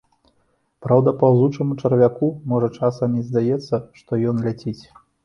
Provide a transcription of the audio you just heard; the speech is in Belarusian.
Праўда, паўзучаму чарвяку можа часам і здаецца, што ён ляціць.